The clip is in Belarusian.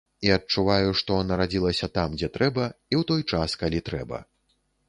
І адчуваю, што нарадзілася там, дзе трэба і ў той час, калі трэба.